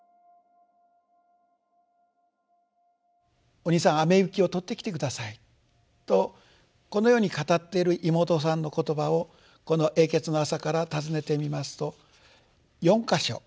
「お兄さん雨雪を取ってきて下さい」とこのように語っている妹さんの言葉をこの「永訣の朝」からたずねてみますと４か所。